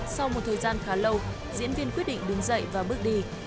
sau một thời gian khá lâu diễn viên quyết định đứng dậy và bước đi